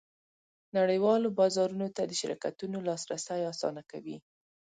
نړیوالو بازارونو ته د شرکتونو لاسرسی اسانه کوي